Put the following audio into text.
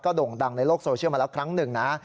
โด่งดังในโลกโซเชียลมาแล้วครั้งหนึ่งนะ